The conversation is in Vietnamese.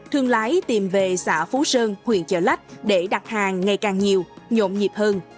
thương lái tìm về xã phú sơn huyện chợ lách để đặt hàng ngày càng nhiều nhộn nhịp hơn